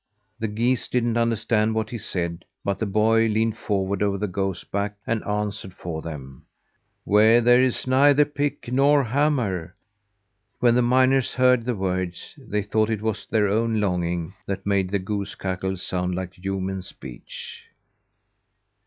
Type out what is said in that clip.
The geese didn't understand what he said, but the boy leaned forward over the goose back, and answered for them: "Where there is neither pick nor hammer." When the miners heard the words, they thought it was their own longing that made the goose cackle sound like human speech.